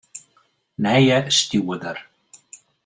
Nije stjoerder.